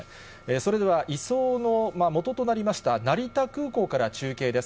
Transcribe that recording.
それでは移送のもととなりました成田空港から中継です。